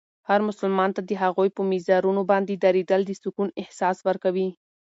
هر مسلمان ته د هغوی په مزارونو باندې درېدل د سکون احساس ورکوي.